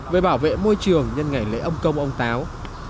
về bảo vệ môi trường nhân ngày lễ ông công ông táo